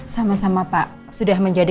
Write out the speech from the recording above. sama sama pak sudah menjadi